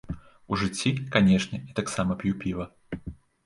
У жыцці, канешне, я таксама п'ю піва.